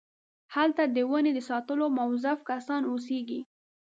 هلته د ونې د ساتلو موظف کسان اوسېږي.